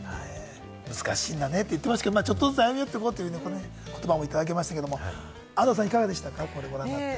難しいんだねと言ってましたけれども、少しずつ歩み寄っていこうという言葉ももらいましたが、安藤さんいかがでしたか？